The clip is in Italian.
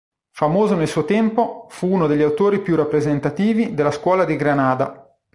Famoso nel suo tempo, fu uno degli autori più rappresentativi della "scuola di Granada".